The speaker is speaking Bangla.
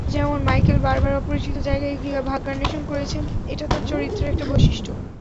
যেমন মাইকেল বারবার অপরিচিত জায়গায় গিয়ে ভাগ্যান্বেষণ করেছেন—এটা তাঁর চরিত্রের একটা বৈশিষ্ট্য।